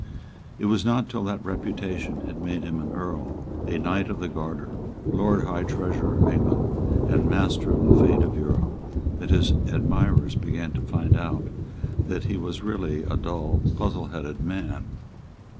It was not till that reputation had made him an Earl, a Knight of the Garter, Lord High Treasurer of England, and master of the fate of Europe, that his admirers began to find out that he was really a dull puzzleheaded man.